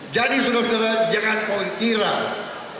jadi sudah sudah jangan mengikirkan